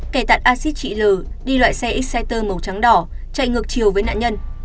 kẻ tạt axit chị l đi loại xe exciter màu trắng đỏ chạy ngược chiều với nạn nhân